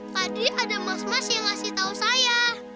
tadi ada mas mas yang ngasih tahu saya